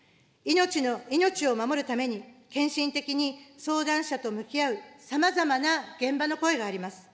命を守るために献身的に相談者と向き合うさまざまな現場の声があります。